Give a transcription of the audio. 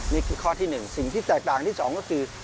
นี่คือข้อที่๑สิ่งที่แตกต่างที่๒ก็คือ